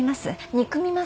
憎みます。